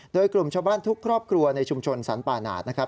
โดยกลุ่มชาวบ้านทุกครอบครัวในชุมชนสรรป่าหนาดนะครับ